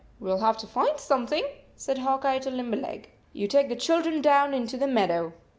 "We ll have to find something," said Hawk Eye to Limberleg. "You take the children down into the meadow.